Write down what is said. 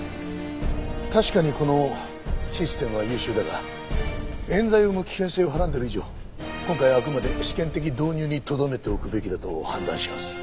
確かにこのシステムは優秀だが冤罪を生む危険性をはらんでる以上今回はあくまで試験的導入にとどめておくべきだと判断します。